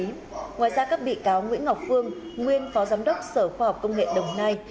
ngoài ra các bị cáo nguyễn ngọc phương nguyên phó giám đốc sở khoa học công nghệ đồng nai